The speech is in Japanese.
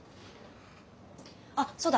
あっそうだ。